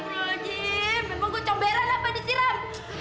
astaga memang gue comberan apa disiram